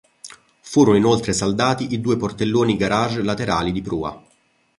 Furono inoltre saldati i due portelloni garage laterali di prua.